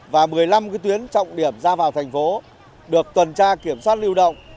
một mươi năm cái tuyến trọng điểm ra vào thành phố được tuần tra kiểm soát lưu động